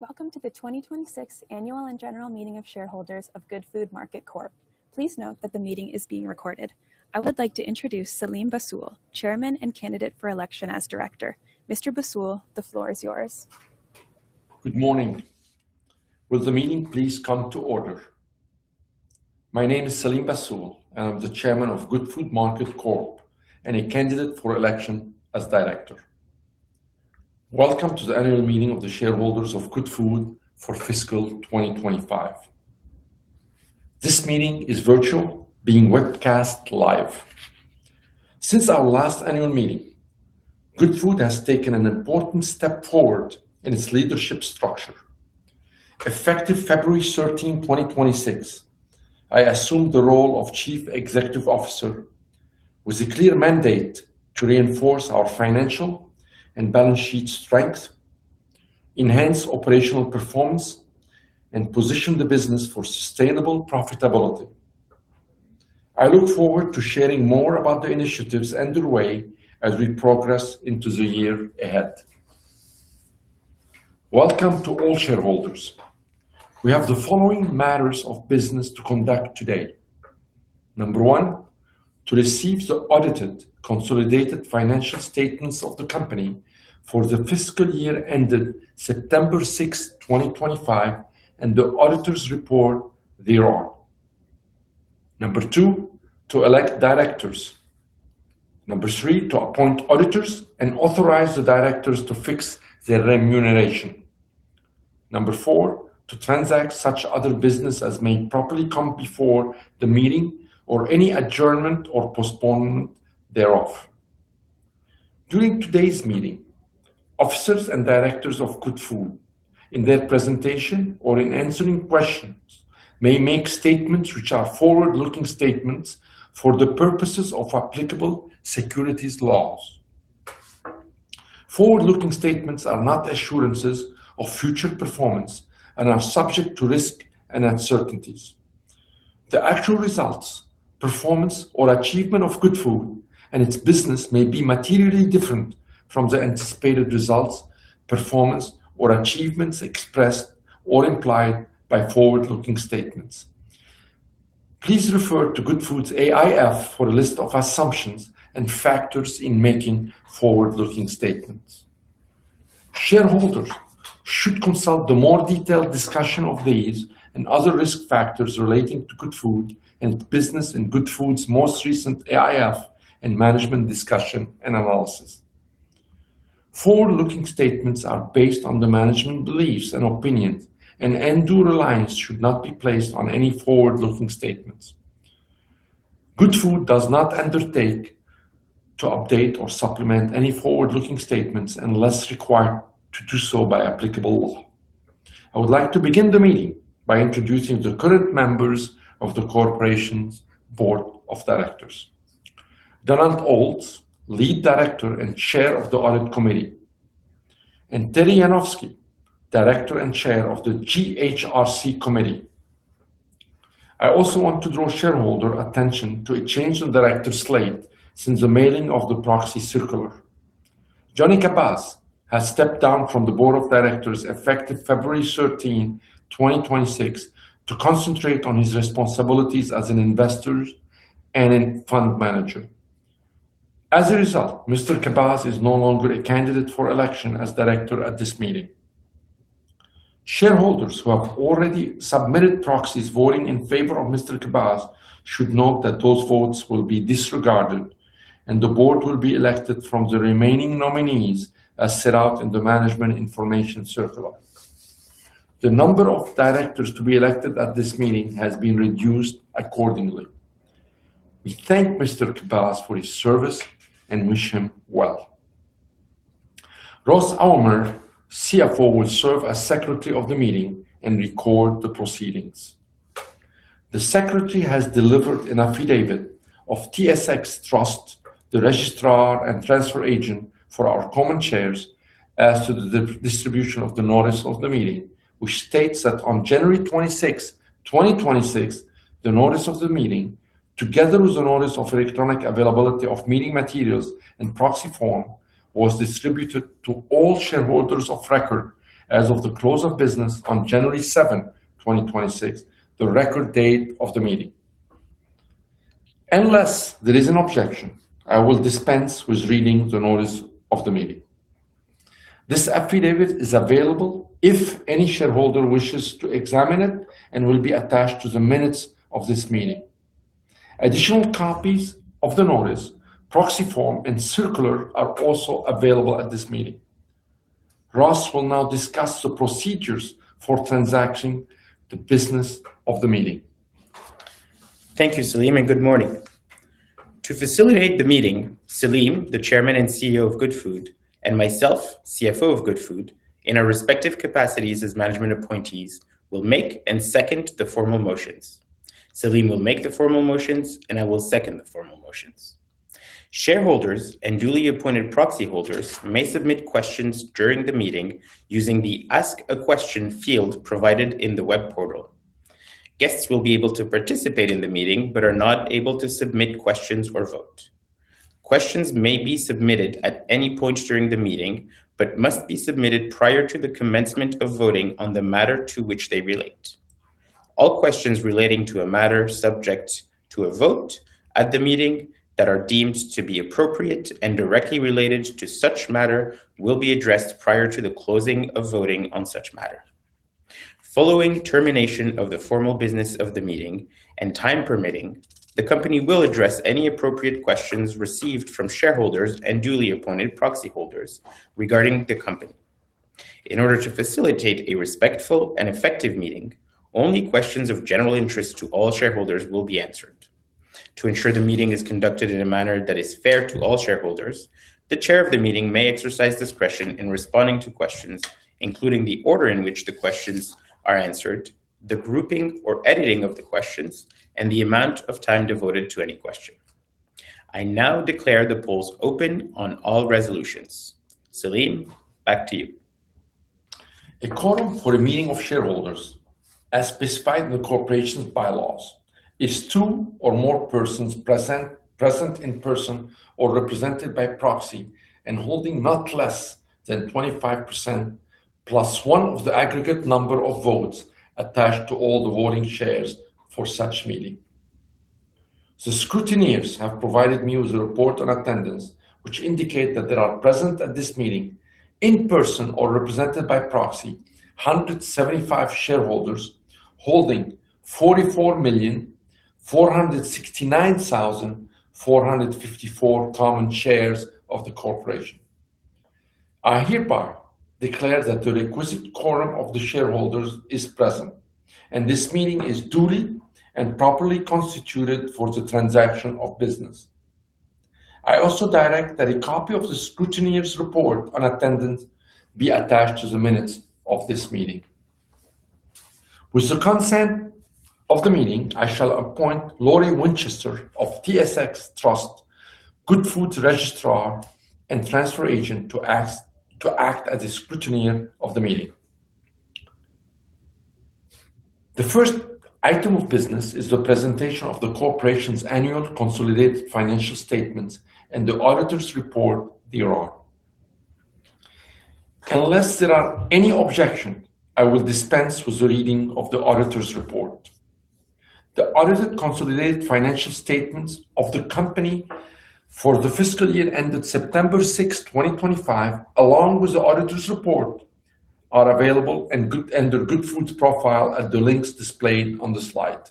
Welcome to the 2026 Annual and General Meeting of Shareholders of Goodfood Market Corp. Please note that the meeting is being recorded. I would like to introduce Selim Bassoul, Chairman and candidate for election as Director. Mr. Bassoul, the floor is yours. Good morning. Will the meeting please come to order? My name is Selim Bassoul, I'm the Chairman of Goodfood Market Corp, and a candidate for election as Director. Welcome to the annual meeting of the shareholders of Goodfood for fiscal 2025. This meeting is virtual, being webcast live. Since our last annual meeting, Goodfood has taken an important step forward in its leadership structure. Effective February 13, 2026, I assumed the role of Chief Executive Officer with a clear mandate to reinforce our financial and balance sheet strength, enhance operational performance, and position the business for sustainable profitability. I look forward to sharing more about the initiatives underway as we progress into the year ahead. Welcome to all shareholders. We have the following matters of business to conduct today. Number 1, to receive the audited consolidated financial statements of the company for the fiscal year ended September 6, 2025, and the auditor's report thereon. Number 2, to elect directors. Number 3, to appoint auditors and authorize the directors to fix their remuneration. Number 4, to transact such other business as may properly come before the meeting or any adjournment or postponement thereof. During today's meeting, officers and directors of Goodfood, in their presentation or in answering questions, may make statements which are forward-looking statements for the purposes of applicable securities laws. Forward-looking statements are not assurances of future performance and are subject to risks and uncertainties. The actual results, performance, or achievement of Goodfood and its business may be materially different from the anticipated results, performance, or achievements expressed or implied by forward-looking statements. Please refer to Goodfood's AIF for a list of assumptions and factors in making forward-looking statements. Shareholders should consult the more detailed discussion of these and other risk factors relating to Goodfood and business in Goodfood's most recent AIF and management discussion and analysis. Forward-looking statements are based on the management beliefs and opinions. Undue reliance should not be placed on any forward-looking statements. Goodfood does not undertake to update or supplement any forward-looking statements unless required to do so by applicable law. I would like to begin the meeting by introducing the current members of the Corporation's Board of Directors. Donald Olds, Lead Director and Chair of the Audit Committee, and Terry Yanofsky, Director and Chair of the GHRC Committee. I also want to draw shareholder attention to a change in director slate since the mailing of the proxy circular. John Khabbaz has stepped down from the board of directors effective February 13, 2026, to concentrate on his responsibilities as an investor and a fund manager. Mr. Khabbaz is no longer a candidate for election as director at this meeting. Shareholders who have already submitted proxies voting in favor of Mr. Khabbaz should note that those votes will be disregarded, and the board will be elected from the remaining nominees as set out in the management information circular. The number of directors to be elected at this meeting has been reduced accordingly. We thank Mr. Khabbaz for his service and wish him well. Roslane Aouameur, CFO, will serve as Secretary of the meeting and record the proceedings. The Secretary has delivered an affidavit of TSX Trust, the registrar and transfer agent for our common shares, as to the dis-distribution of the notice of the meeting, which states that on January 26th, 2026, the notice of the meeting, together with the notice of electronic availability of meeting materials and proxy form, was distributed to all shareholders of record as of the close of business on January 7, 2026, the record date of the meeting. Unless there is an objection, I will dispense with reading the notice of the meeting. This affidavit is available if any shareholder wishes to examine it and will be attached to the minutes of this meeting. Additional copies of the notice, proxy form, and circular are also available at this meeting. Ross will now discuss the procedures for transacting the business of the meeting. Thank you, Selim, good morning. To facilitate the meeting, Selim, the Chairman and CEO of Goodfood, and myself, CFO of Goodfood, in our respective capacities as management appointees, will make and second the formal motions. Selim will make the formal motions, I will second the formal motions. Shareholders and duly appointed proxy holders may submit questions during the meeting using the Ask a Question field provided in the web portal. Guests will be able to participate in the meeting, are not able to submit questions or vote. Questions may be submitted at any point during the meeting, must be submitted prior to the commencement of voting on the matter to which they relate. All questions relating to a matter subject to a vote at the meeting that are deemed to be appropriate and directly related to such matter will be addressed prior to the closing of voting on such matter. Following termination of the formal business of the meeting and time permitting, the company will address any appropriate questions received from shareholders and duly appointed proxy holders regarding the company. In order to facilitate a respectful and effective meeting, only questions of general interest to all shareholders will be answered. To ensure the meeting is conducted in a manner that is fair to all shareholders, the chair of the meeting may exercise discretion in responding to questions, including the order in which the questions are answered, the grouping or editing of the questions, and the amount of time devoted to any question. I now declare the polls open on all resolutions. Selim, back to you. A quorum for a meeting of shareholders, as specified in the corporation's bylaws, is 2 or more persons present in person or represented by proxy, and holding not less than 25% plus 1 of the aggregate number of votes attached to all the voting shares for such meeting. The scrutineers have provided me with a report on attendance, which indicate that there are present at this meeting, in person or represented by proxy, 175 shareholders holding 44,469,454 common shares of the corporation. I hereby declare that the requisite quorum of the shareholders is present, and this meeting is duly and properly constituted for the transaction of business. I also direct that a copy of the scrutineer's report on attendance be attached to the minutes of this meeting. With the consent of the meeting, I shall appoint Lori Winchester of TSX Trust, Goodfood's registrar and transfer agent, to act as the scrutineer of the meeting. The first item of business is the presentation of the corporation's annual consolidated financial statements and the auditor's report thereon. Unless there are any objection, I will dispense with the reading of the auditor's report. The audited consolidated financial statements of the company for the fiscal year ended September 6, 2025, along with the auditor's report, are available under Goodfood's profile at the links displayed on the slide.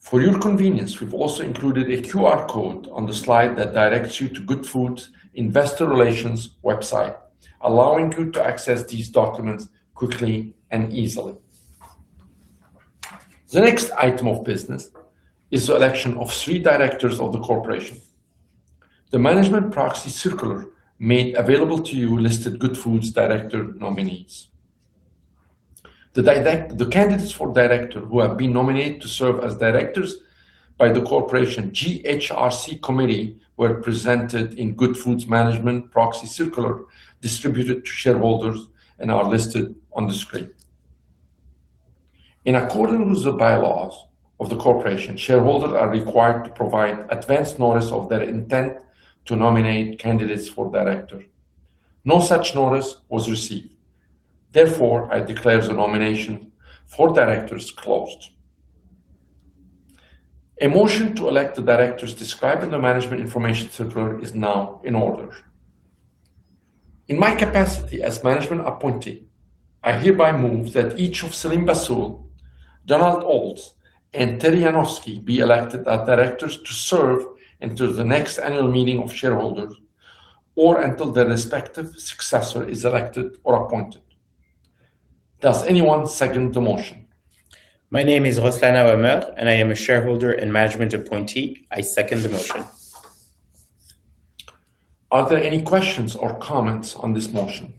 For your convenience, we've also included a QR code on the slide that directs you to Goodfood's investor relations website, allowing you to access these documents quickly and easily. The next item of business is the election of three directors of the corporation. The management proxy circular made available to you listed Goodfood's director nominees. The candidates for director who have been nominated to serve as directors by the corporation GHRC Committee were presented in Goodfood's management proxy circular, distributed to shareholders and are listed on the screen. In accordance with the bylaws of the corporation, shareholders are required to provide advance notice of their intent to nominate candidates for director. No such notice was received. Therefore, I declare the nomination for directors closed. A motion to elect the directors described in the Management Information Circular is now in order. In my capacity as management appointee, I hereby move that each of Selim Bassoul, Donald Olds, and Terry Yanofsky be elected as directors to serve until the next annual meeting of shareholders, or until their respective successor is elected or appointed. Does anyone second the motion? My name is Roslane Aouameur, and I am a shareholder and management appointee. I second the motion. Are there any questions or comments on this motion?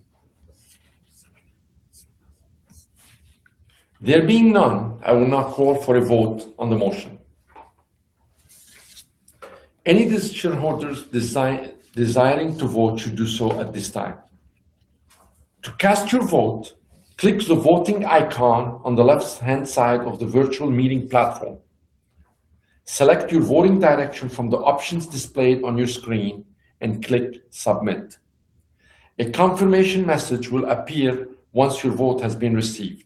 There being none, I will now call for a vote on the motion. Any of these shareholders desiring to vote should do so at this time. To cast your vote, click the voting icon on the left-hand side of the virtual meeting platform. Select your voting direction from the options displayed on your screen and click Submit. A confirmation message will appear once your vote has been received.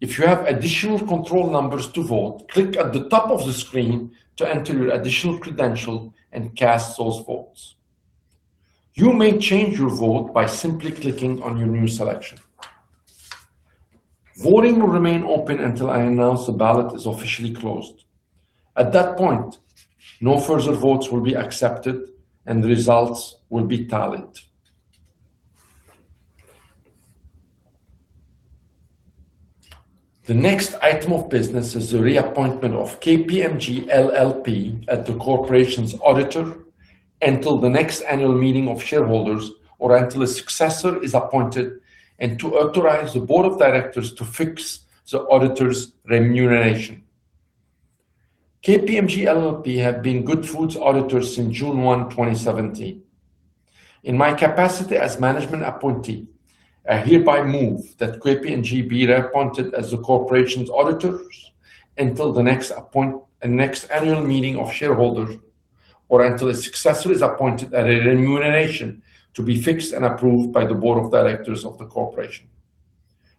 If you have additional control numbers to vote, click at the top of the screen to enter your additional credential and cast those votes. You may change your vote by simply clicking on your new selection. Voting will remain open until I announce the ballot is officially closed. At that point, no further votes will be accepted and the results will be tallied. The next item of business is the reappointment of KPMG LLP as the corporation's auditor until the next annual meeting of shareholders, or until a successor is appointed, and to authorize the board of directors to fix the auditor's remuneration. KPMG LLP have been Goodfood's auditors since June 1, 2017. In my capacity as management appointee, I hereby move that KPMG be reappointed as the corporation's auditors until the next annual meeting of shareholders, or until a successor is appointed at a remuneration to be fixed and approved by the board of directors of the corporation.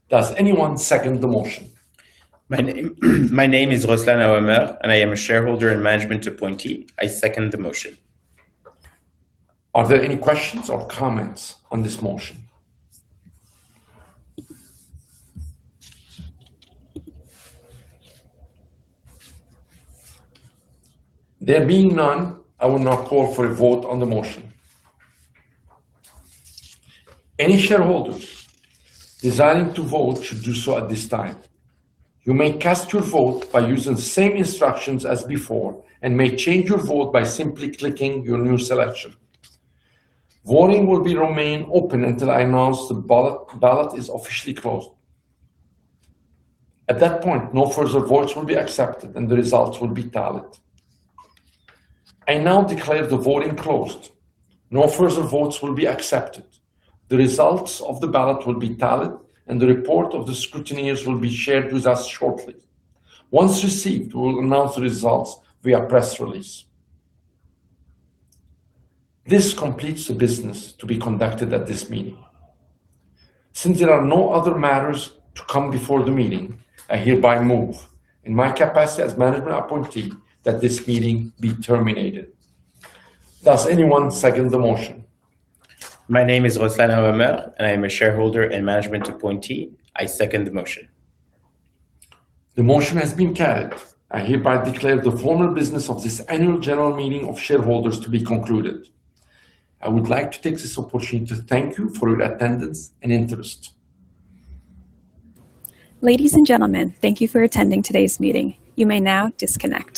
Does anyone second the motion? My name is Roslane Aouameur, and I am a shareholder and management appointee. I second the motion. Are there any questions or comments on this motion? There being none, I will now call for a vote on the motion. Any shareholders desiring to vote should do so at this time. You may cast your vote by using the same instructions as before and may change your vote by simply clicking your new selection. Voting will be remain open until I announce the ballot is officially closed. At that point, no further votes will be accepted, and the results will be tallied. I now declare the voting closed. No further votes will be accepted. The results of the ballot will be tallied, and the report of the scrutineers will be shared with us shortly. Once received, we will announce the results via press release. This completes the business to be conducted at this meeting. Since there are no other matters to come before the meeting, I hereby move, in my capacity as management appointee, that this meeting be terminated. Does anyone second the motion? My name is Roslane Aouameur, and I am a shareholder and management appointee. I second the motion. The motion has been carried. I hereby declare the formal business of this annual general meeting of shareholders to be concluded. I would like to take this opportunity to thank you for your attendance and interest. Ladies and gentlemen, thank you for attending today's meeting. You may now disconnect.